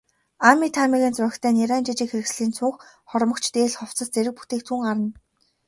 Аами, Таамигийн зурагтай нярайн жижиг хэрэгслийн цүнх, хормогч, дээл, хувцас зэрэг бүтээгдэхүүн гарна.